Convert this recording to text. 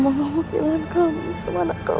mama mau pukulan kamu sama anak kamu